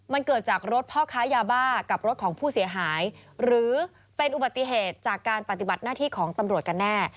มันเกิดจากรถพ่อค้ายาบ้ากับรถของผู้เสียหายหรือเป็นอุบัติเหตุจากการปฏิบัติหน้าที่ของตำรวจกันแน่